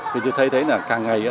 vì tôi thấy thế là càng ngày